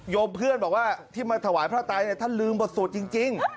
เพื่อนบอกว่าที่มาถวายพระไตท่านลืมบทสวดจริง